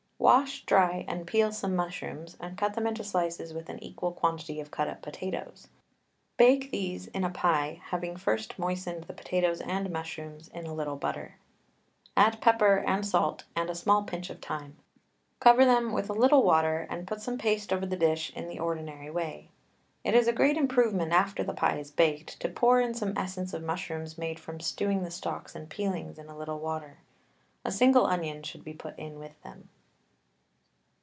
Wash, dry, and peel some mushrooms, and cut them into slices with an equal quantity of cut up potatoes. Bake these in a pie, having first moistened the potatoes and mushrooms in a little butter. Add pepper and salt and a small pinch of thyme. Cover them with a little water and put some paste over the dish in the ordinary way. It is a great improvement, after the pie is baked, to pour in some essence of mushrooms made from stewing the stalks and peelings in a little water. A single onion should be put in with them.